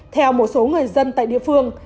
theo một số người dân tại địa phương